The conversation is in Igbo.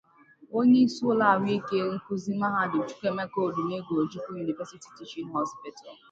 onyeisi ụlọ ahụike nkuzi mahadum 'Chukwuemeka Odumegwu Ojukwu University Teaching Hospital'